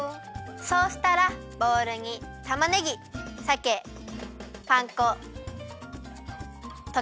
そうしたらボウルにたまねぎさけパン粉ときたまご。